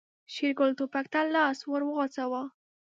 شېرګل ټوپک ته لاس ور وغځاوه.